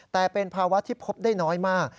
แต่เป็นภาวะที่พบได้น้อยมาก